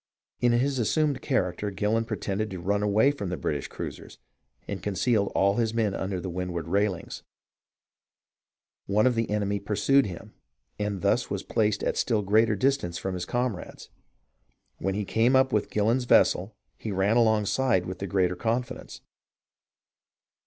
In his assumed character Gillon pretended to run away from the British cruisers, and concealed all his men under the windward railings. One of the enemy pursued him and thus was placed at a still greater distance from his comrades. When he came up with Gillon's vessel, he ran alongside with the greatest confidence.